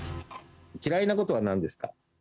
嫌いなことはなんですか？